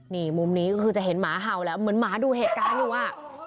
นี่มุมนี้ก็คือจะเห็นหมาเห่าแล้วเหมือนหมาดูเหตุการณ์อยู่อ่ะ